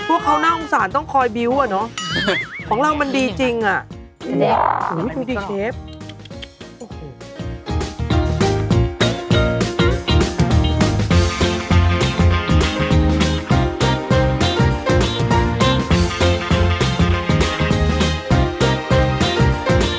พวกเขาน่าสงสารต้องคอยบิ้วอ่ะเนอะของเรามันดีจริงอ่ะดูสิเชฟโอ้โห